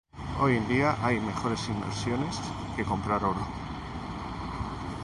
Hoy en día hay mejores inversiones que comprar oro